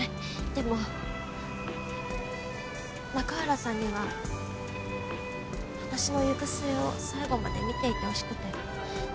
でも中原さんには私の行く末を最後まで見ていてほしくて。